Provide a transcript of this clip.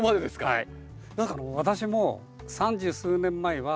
はい。